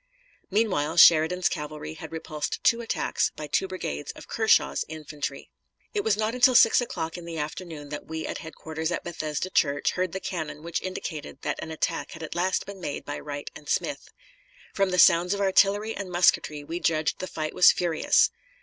Meanwhile Sheridan's cavalry had repulsed two attacks by two brigades of Kershaw's infantry. It was not until six o'clock in the afternoon that we at headquarters at Bethesda Church heard the cannon which indicated that an attack had at last been made by Wright and Smith. From the sounds of artillery and musketry, we judged the fight was furious.